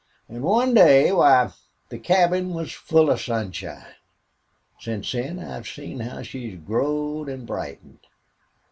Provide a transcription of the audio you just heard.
An' one day, why, the cabin was full of sunshine!... Since then I've seen how she's growed an' brightened.